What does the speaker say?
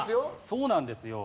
そうなんですよ。